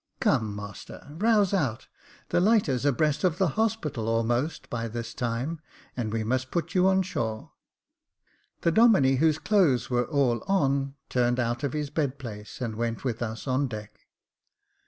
Come, master, rouse out; the lighter's abreast of the Hospital almost by this time, and we must put you on shore." The Domine, whose clothes were all on, turned out of his bed place, and went with us on deck.